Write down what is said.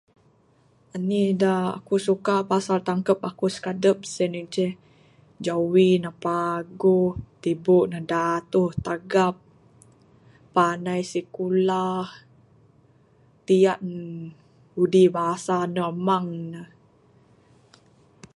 Anih da aku suka pasal tangkeb aku skadep sien inceh jawi paguh, tibu ne datuh tagap, panai sikulah, tiyan budi basa ande amang ne.